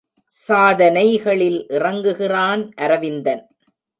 சாதனைகளில் இறங்குகிறான் அரவிந்தன்.